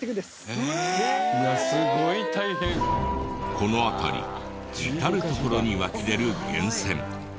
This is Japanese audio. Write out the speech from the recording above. この辺り至る所に湧き出る源泉。